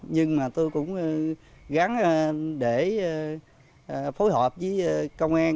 nhưng mà tôi cũng gắn để phối hợp với công an